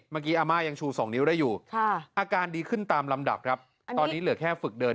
อาม่ายังชู๒นิ้วได้อยู่อาการดีขึ้นตามลำดับครับตอนนี้เหลือแค่ฝึกเดิน